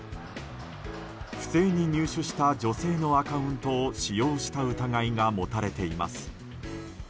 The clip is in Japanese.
不正に入手した女性のアカウントを使用した疑いが持たれています。